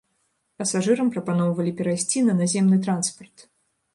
Пасажырам прапаноўвалі перайсці на наземны транспарт.